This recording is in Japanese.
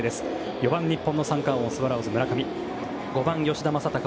４番、日本の三冠王スワローズ村上。